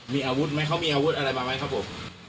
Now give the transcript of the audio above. มีอาวุธไหมเขามีอาวุธอะไรมาไหมครับผม